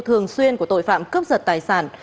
thường xuyên của tội phạm cướp giật tài sản